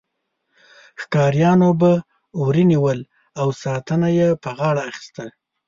ښکاریانو به وري نیول او ساتنه یې په غاړه اخیسته.